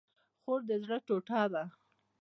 خور د زړه ټوټه ده